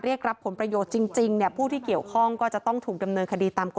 เดี๋ยวขอตรวจสอบอีกครั้งหนึ่ง